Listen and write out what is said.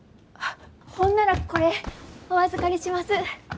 あっほんならこれお預かりします。